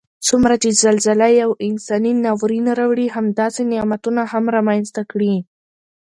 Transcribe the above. څومره چې زلزله یو انساني ناورین راوړي همداسې نعمتونه هم رامنځته کړي